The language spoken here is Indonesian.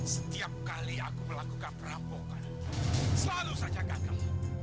setiap kali aku melakukan perampokan selalu saja gagal